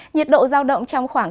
nhiệt độ giao động trong khoảng